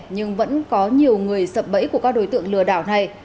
nhưng vẫn có nhiều người sập bẫy của các đối tượng lừa đảo này